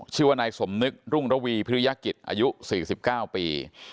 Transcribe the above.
ชื่อว่านายสมนึกรุ่งระวีพิริยกิจอายุ๔๙ปี